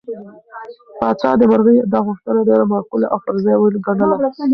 پاچا د مرغۍ دا غوښتنه ډېره معقوله او پر ځای وګڼله.